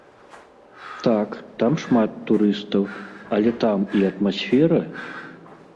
Так, там шмат турыстаў, але там і атмасфера!